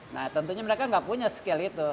nah tentunya mereka nggak punya skill itu